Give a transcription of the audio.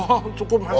oh cukup mas